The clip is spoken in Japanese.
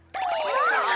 もう！